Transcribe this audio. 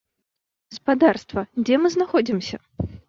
Спадарства, мы дзе знаходзімся?